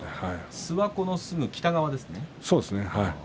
諏訪湖のすぐ北側ですね。